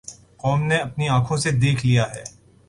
قوم نے اپنی آنکھوں سے دیکھ لیا ہے۔